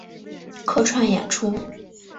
客串演出